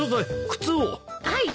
はい。